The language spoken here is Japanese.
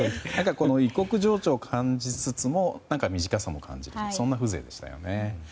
異国情緒を感じつつも身近さも感じるそんな風情でしたよね。